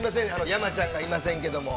山ちゃんがいませんけども。